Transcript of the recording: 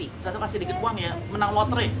misal kamu memberi sedikit uang ya menang loterai